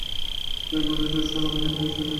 এই গ্রন্থখানি ঈশ্বর এবং প্রত্যেক বস্তুই ঈশ্বর।